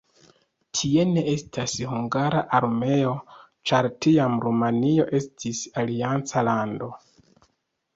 Tie ne estis hungara armeo, ĉar tiam Rumanio estis alianca lando.